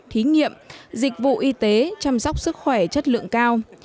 thí nghiệm dịch vụ y tế chăm sóc sức khỏe chất lượng cao